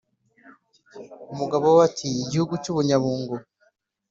umugabo we ati"igihugu cyubunyabungo